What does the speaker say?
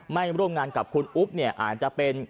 ไม่ร่วมงานกับคุณอุ๊บเนี่ยอาจจะเป็น